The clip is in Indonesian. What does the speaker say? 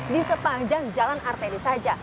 di sepanjang jalan arteri saja